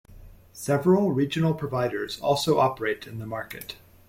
Several regional providers also operate in the market.